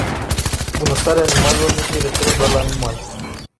Bunăstarea animalelor nu se referă doar la animale.